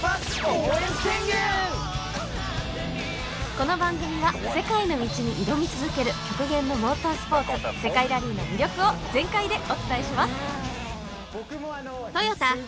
この番組は世界の道に挑み続ける極限のモータースポーツ世界ラリーの魅力を全開でお伝えします。